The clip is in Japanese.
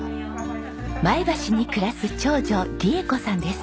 前橋に暮らす長女利恵子さんです。